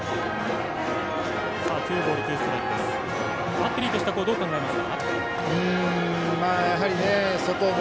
バッテリーとしてはどう考えますか？